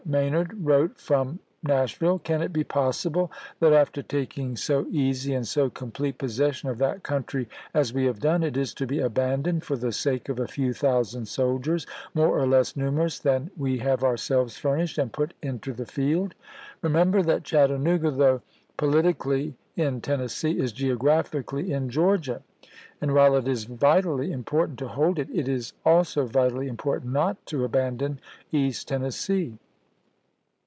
Maynard wi'ote from ^"®"^' Nashville :" Can it be possible that after taking so sept.28. easy and so complete possession of that country as we have done, it is to be abandoned for the sake of a few thousand soldiers more or less numerous than we have ourselves furnished and put into the field ? Remember that Chattanooga, though polit ically in Tennessee, is geographically in Georgia, and while it is vitally important to hold it, it is also vitally important not to abandon East Tennes see.